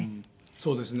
そうですね。